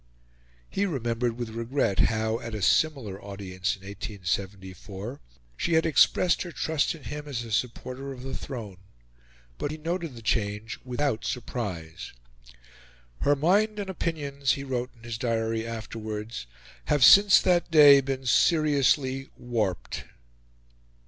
He remembered with regret how, at a similar audience in 1874, she had expressed her trust in him as a supporter of the throne; but he noted the change without surprise. "Her mind and opinions," he wrote in his diary afterwards, "have since that day been seriously warped."